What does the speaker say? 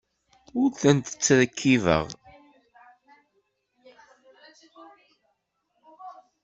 Ur tent-ttṛekkibeɣ.